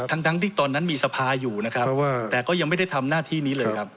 ทั้งที่ตอนนั้นมีสภาอยู่นะครับแต่ก็ยังไม่ได้ทำหน้าที่นี้เลยครับ